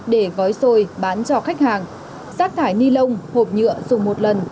để gói xuống cho các loại hộp để đựng đồ